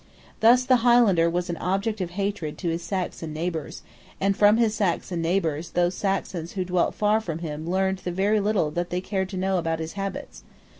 Thus the Highlander was an object of hatred to his Saxon neighbours; and from his Saxon neighbours those Saxons who dwelt far from him learned the very little that they cared to know about his habits.